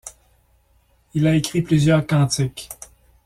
Il a écrit plusieurs Cantiques.